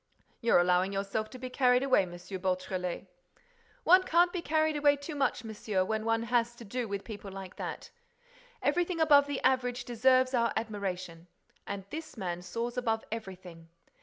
"You're allowing yourself to be carried away, M. Beautrelet." "One can't be carried away too much, monsieur, when one has to do with people like that. Everything above the average deserves our admiration. And this man soars above everything.